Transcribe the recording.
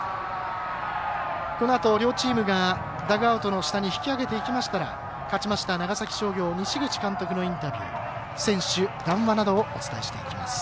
このあと両チームがダグアウトの下に引き揚げていきましたら勝ちました長崎商業の西口監督のインタビュー選手談話などをお伝えしていきます。